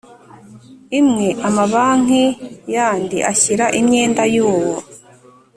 imwe amabanki yandi ashyira imyenda y uwo